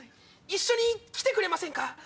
一緒に来てくれませんか？